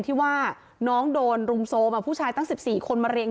ที่ว่าน้องโดนรุมโซมอ่ะผู้ชายตั้งสิบสี่คนมาเรียง